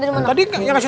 gampang kita ya udah saya